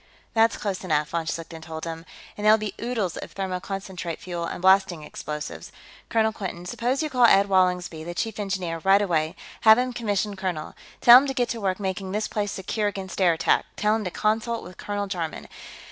"That's close enough," von Schlichten told him. "And there'll be oodles of thermoconcentrate fuel, and blasting explosives. Colonel Quinton, suppose you call Ed Wallingsby, the Chief Engineer, right away; have him commissioned colonel. Tell him to get to work making this place secure against air attack; tell him to consult with Colonel Jarman.